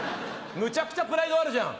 むちゃくちゃプライドあるじゃん。